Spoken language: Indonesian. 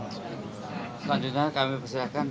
selanjutnya kami persilahkan